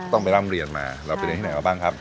ต้องไปร่ำเรียนมาเราไปเรียนที่ไหนมาบ้างครับ